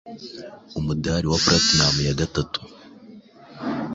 umudari wa platmun ya gatatu